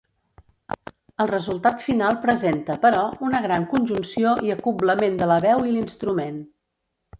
El resultat final presenta, però, una gran conjunció i acoblament de la veu i l'instrument.